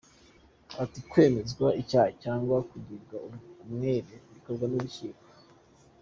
Ati “ kwemezwa icyaha cyangwa kugirwa umwere bikorwa n’urukiko.